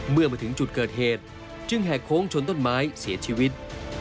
เมื่อมาถึงจุดเกิดเหตุจึงแหกโค้งชนต้นไม้เสียชีวิต